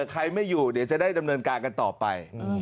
ใครไม่อยู่เดี๋ยวจะได้ดำเนินการกันต่อไป